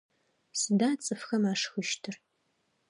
Сыда цӏыфхэм ашхыщтыр?